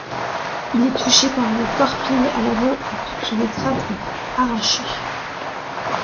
Il est touché par une torpille à l'avant et toute son étrave est arrachée.